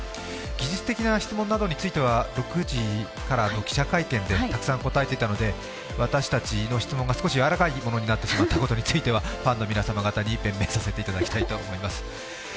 技術的な質問については、６時からの記者会見でたくさん答えていたので、私たちの質問が少しやわらかいものになってしまったことについてはファンの皆様方に弁明させていただきたいと思います。